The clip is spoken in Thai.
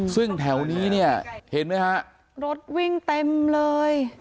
ซึ่งแถวนี้เนี่ยเห็นไหมฮะรถวิ่งเต็มเลย